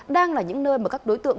đang là những nơi mà các đối tượng